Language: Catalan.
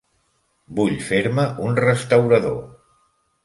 Vull fer-me un restaurador.